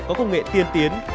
có công nghệ tiên tiến